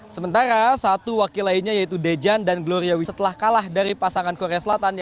sementara satu wakil lainnya yaitu dejan dan gloria wisetlah kalah dari pasangan korea selatan